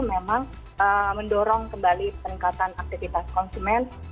memang mendorong kembali peningkatan aktivitas konsumen